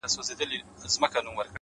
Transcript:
زړه مي ورېږدېدی!